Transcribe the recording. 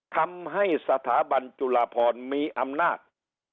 ทำให้สถาบันจุฬาพรมีอำนาจ